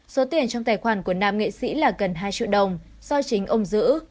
số tiền trong tài khoản của nam nghệ sĩ là gần hai triệu đồng do chính ông giữ